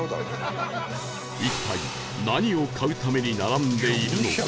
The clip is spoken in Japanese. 一体何を買うために並んでいるのか？